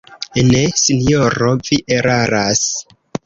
Ne, sinjoro, vi eraras.